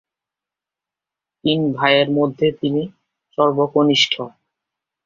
তিন ভাইয়ের মধ্যে তিনি সর্বকনিষ্ঠ।